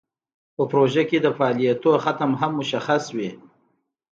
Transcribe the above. په پروژه کې د فعالیتونو ختم هم مشخص وي.